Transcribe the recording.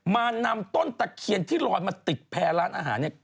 นำต้นตะเคียนที่ลอยมาติดแพรร้านอาหารเนี่ย